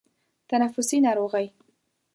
تنفسي ناروغۍ